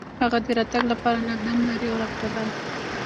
هغه د راتګ لپاره نه دم لري او نه قدم.